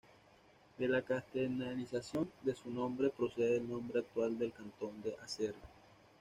De la castellanización de su nombre procede el nombre actual del cantón de Aserrí.